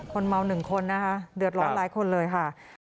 คนเมาหนึ่งคนนะคะเดือดร้อนหลายคนเลยค่ะ